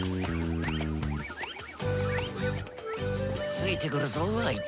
ついてくるぞあいつ。